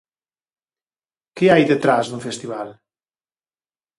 Que hai detrás dun festival?